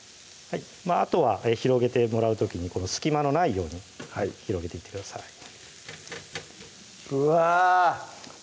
あとは広げてもらう時に隙間のないように広げていってくださいうわ！